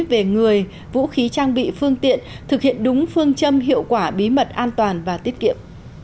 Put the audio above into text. về người vũ khí trang bị phương tiện thực hiện đúng phương châm hiệu quả bí mật an toàn và tiết kiệm